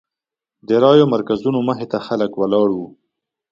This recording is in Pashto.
د رایو مرکزونو مخې ته خلک ولاړ وو.